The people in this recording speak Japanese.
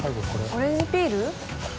オレンジピール？